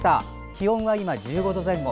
気温は１７度前後。